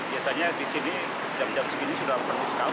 biasanya di sini jam jam segini sudah penuh sekali